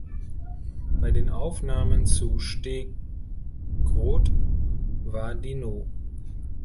Bei den Aufnahmen zu "Steh grod" war die No.